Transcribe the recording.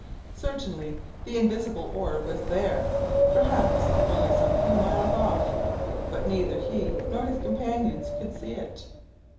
Certainly, the invisible orb was there, perhaps only some few miles off; but neither he nor his companions could see it.